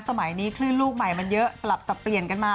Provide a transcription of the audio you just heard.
สมัยนี้คลื่นลูกใหม่มันเยอะสลับสับเปลี่ยนกันมา